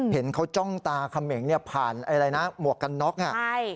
เห็นเขาจ้องตาเขม่งเนี่ยผ่านอะไรนะหมวกกันน็อกอ่ะใช่